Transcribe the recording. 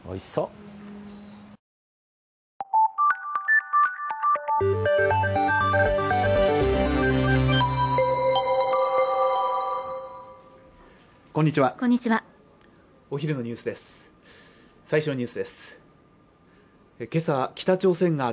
最初のニュースです